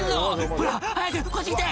「ほら早くこっち来て」